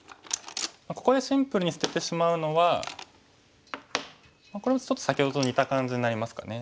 ここでシンプルに捨ててしまうのはこれもちょっと先ほどと似た感じになりますかね。